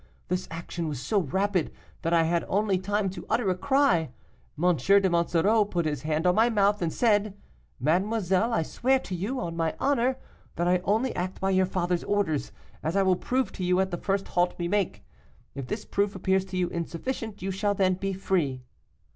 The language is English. This action was so rapid that I had only time to utter a cry. M. de Monsoreau put his hand on my mouth, and said, 'Mademoiselle, I swear to you, on my honor, that I only act by your father's orders, as I will prove to you at the first halt we make. If this proof appears to you insufficient, you shall then be free.